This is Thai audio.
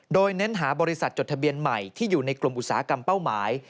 โดยเน้นหาบริษัทจดทะเบียนใหม่ที่อยู่ในกลุ่มอุตสาหกรรมเป้าหมาย